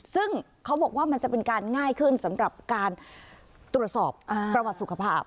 ซึ่งเขาบอกว่ามันจะเป็นการง่ายขึ้นสำหรับการตรวจสอบประวัติสุขภาพ